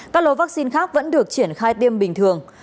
các lô vaccine khác vẫn được triển khai tiêm bình thường